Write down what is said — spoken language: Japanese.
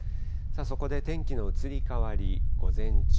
そこで天気の移り変わり、午前中。